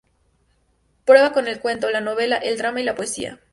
Prueba con el cuento, la novela, el drama y la poesía.